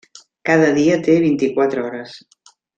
Cada dia té vint-i-quatre hores.